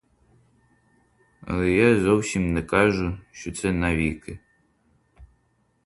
Але я зовсім не кажу, що це навіки.